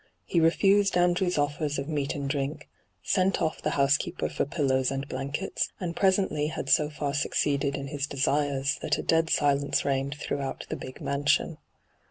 He refused Andrew's offers of meat and drink, sent off the housekeeper for pillows and blankets, and pre sently had so far succeeded in his desires that a dead silence reigned throughout the big mansion.